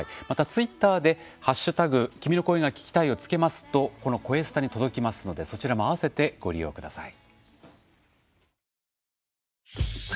ツイッターで「＃君の声が聴きたい」をつけますとこの「こえスタ」に届きますのでそちらも合わせてご利用ください。